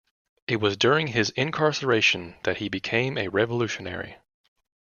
It was during his incarceration that he became a revolutionary.